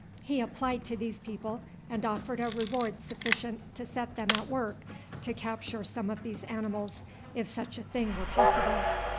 He applied to these people, and offered a reward sufficient to set them at work to capture some of these animals, if such a thing were possible.